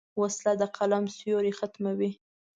وسله د قلم سیوری ختموي